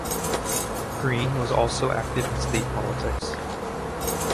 Green was also active in state politics.